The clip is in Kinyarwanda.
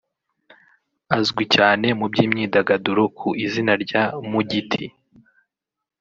Azwi cyane mu by’imyidagaduro ku izina rya ‘Mugiti’